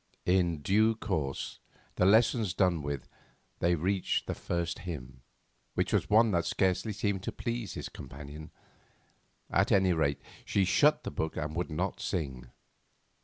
In due course, the lessons done with, they reached the first hymn, which was one that scarcely seemed to please his companion; at any rate, she shut the book and would not sing.